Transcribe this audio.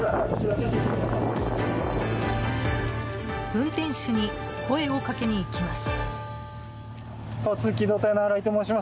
運転手に声をかけにいきます。